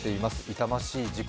痛ましい事故